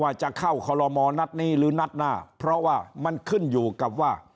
ว่าจะเข้าคอลโลมอนัดนี้หรือนัดหน้าเพราะว่ามันขึ้นอยู่กับว่า